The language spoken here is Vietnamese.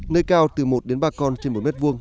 nơi cao từ một đến ba con trên một mét vuông